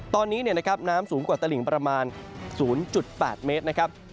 ตอนนี้นะครับน้ำสูงกว่าตลิงประมาณ๐๘เมตรนะครับ